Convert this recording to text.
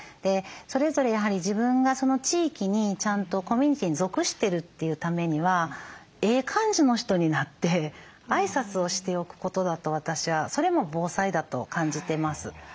それぞれやはり自分がその地域にちゃんとコミュニティーに属してるというためにはええ感じの人になって挨拶をしておくことだと私はそれも防災だと感じてます。